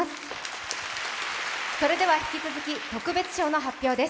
それでは引き続き、特別賞の発表です。